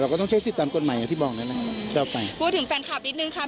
ก็ต้องใช้สิทธิ์ตามกฎหมายอย่างที่บอกแล้วนะครับต่อไปพูดถึงแฟนคลับนิดนึงค่ะ